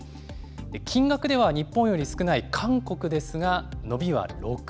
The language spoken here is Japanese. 金額では日本より少ない韓国ですが、伸びは６。